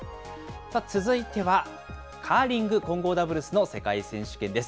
続いては、カーリング混合ダブルスの世界選手権です。